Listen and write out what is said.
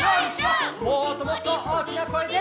もっともっとおおきなこえで！